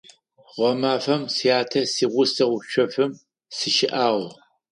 Гъэмафэм сятэ сигъусэу шъофым сыщыӀагъ.